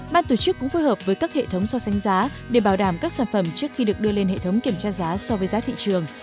ban tổ chức cũng phối hợp với các hệ thống so sánh giá để bảo đảm các sản phẩm trước khi được đưa lên hệ thống kiểm tra giá so với giá thị trường